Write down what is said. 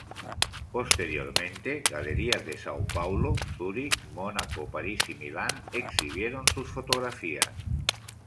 Posteriormente, galerías de São Paulo, Zurich, Monaco, Paris y Milan exhibieron sus fotografías.